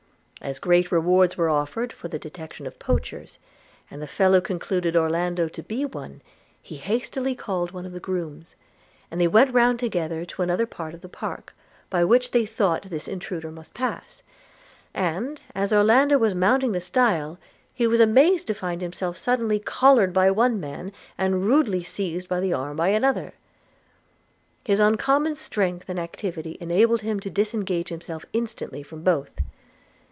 As great rewards were offered for the detection of poachers, and the fellow concluded Orlando to be one, he hastily called one of the grooms; and they went round together to another part of the park, by which they thought this intruder must pass; and, as Orlando was mounting the stile, he was amazed to find himself suddenly collared by one man, and rudely seized by the arm by another. His uncommon strength and activity enabled him to disengage himself instantly from both.